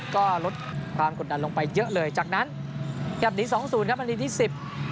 ก็ลดความกดดันลงไปเยอะเลยจากนั้นกลับหนี๒๐ครับอันดีที่๑๐